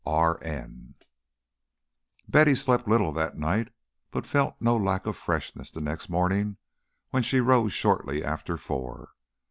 R. N." Betty slept little that night, but felt no lack of freshness the next morning when she rose shortly after four.